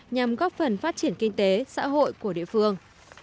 nhằm góp phần phát triển kinh tế xã hội của địa phương